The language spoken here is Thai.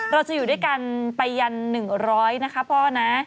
เราจะอยู่ด้วยกันไปยัน๑๐๐นะคะพ่อนะ